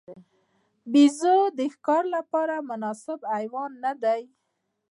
بیزو د ښکار لپاره مناسب حیوان نه دی.